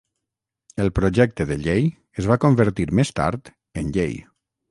El projecte de llei es va convertir més tard en llei.